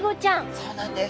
そうなんです。